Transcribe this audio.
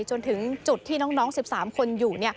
จนถึงจุดที่น้อง๑๓คนอยู่